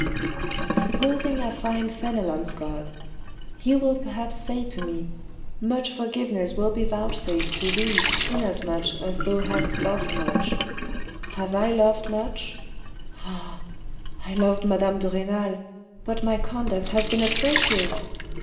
502 THE RED AND THE BLACK " But supposing I find Fenelon's God : He will perhaps say to me :' Much forgiveness will be vouchsafed to thee, inasmuch as thou hast loved much.' " Have I loved much ? Ah ! I loved madame de Renal, but my conduct has been atrocious.